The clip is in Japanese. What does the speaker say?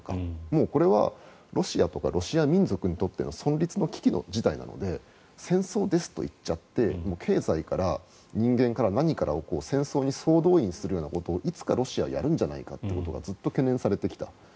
もうこれはロシアとかロシア民族にとっての存立の危機の事態なので戦争と言っちゃって経済から人間から何からを戦争に総動員することをいつかロシアはやるんじゃないかということがずっと懸念されてきた。